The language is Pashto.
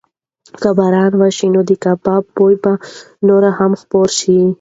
که باران وشي نو د کبابو بوی به نور هم خپور شي.